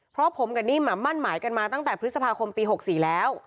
เพราะผมกับนิ่มมั่นหมายกันมาตั้งแต่พฤษภาคมปี๖๔แล้ว